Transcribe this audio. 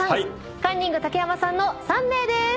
カンニング竹山さんの３名です。